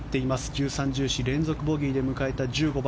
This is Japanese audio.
１３、１４連続ボギーで迎えた１５番。